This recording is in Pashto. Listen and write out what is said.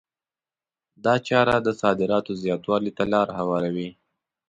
دا چاره د صادراتو زیاتوالي ته لار هواروي.